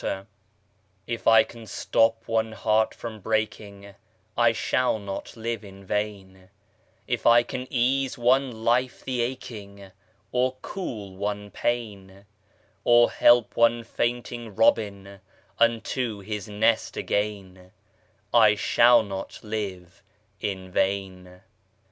VI. If I can stop one heart from breaking, I shall not live in vain; If I can ease one life the aching, Or cool one pain, Or help one fainting robin Unto his nest again, I shall not live in vain.